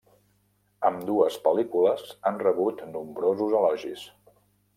Ambdues pel·lícules han rebut nombrosos elogis.